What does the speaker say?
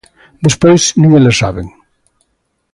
Despois, nin eles saben.